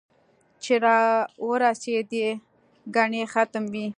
چې را ورېسېدې ګنې ختم وې